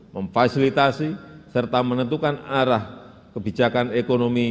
memfasilitasi serta menentukan arah kebijakan ekonomi